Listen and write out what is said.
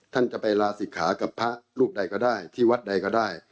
ท่านจะไปลาศิกขากับพระรูปใดก็ได้ที่วัดใดก็ได้